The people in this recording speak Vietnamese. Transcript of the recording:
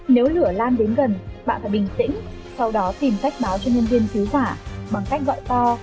nếu lửa lan đến gần bạn phải bình tĩnh sau đó tìm cách báo cho nhân viên cứu hỏa bằng cách gọi to